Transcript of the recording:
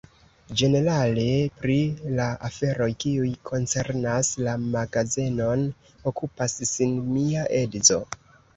Ĝenerale pri la aferoj, kiuj koncernas la magazenon, okupas sin mia edzo.